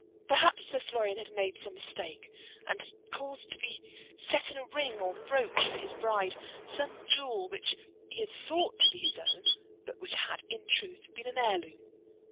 Perhaps Sir Florian had made some mistake, and had caused to be set in a ring or brooch for his bride some jewel which he had thought to be his own, but which had, in truth, been an heirloom.